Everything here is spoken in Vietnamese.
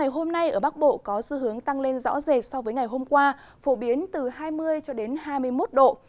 hôm nay ở bắc bộ có xu hướng tăng lên rõ rệt so với ngày hôm qua phổ biến từ hai mươi cho đến hai mươi một độ